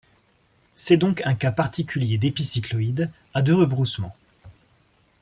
C'est donc un cas particulier d'épicycloïde, à deux rebroussements.